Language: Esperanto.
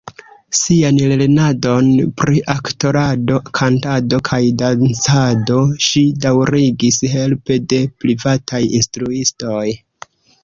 Sian lernadon pri aktorado, kantado kaj dancado ŝi daŭrigis helpe de privataj instruistoj.